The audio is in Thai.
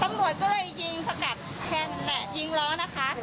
ตำรวจก็เลยยิงสกัดแคนยิงล้อนะคะ